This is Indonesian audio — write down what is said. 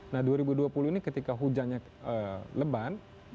nah dua ribu dua puluh ini ketika hujannya leban